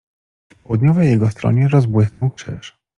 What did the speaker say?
W południowej jego stronie rozbłysnął Krzyż.